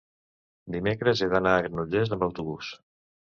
dimecres he d'anar a Granollers amb autobús.